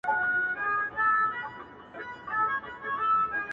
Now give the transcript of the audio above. ټولي نړۍ ته کرونا ببر یې،